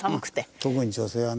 特に女性はね。